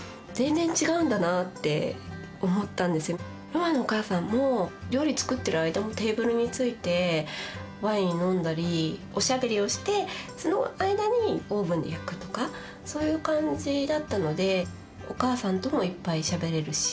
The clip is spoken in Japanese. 何かロマンのお母さんも料理つくってる間もテーブルについてワイン飲んだりおしゃべりをしてその間にオーブンで焼くとかそういう感じだったのでお母さんともいっぱいしゃべれるし。